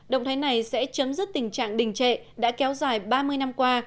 động thái này sẽ chấm dứt tình trạng đình trệ đã kéo dài ba mươi năm qua